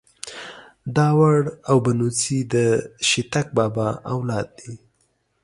داوړ او بنوڅي ده شيتک بابا اولاد دې.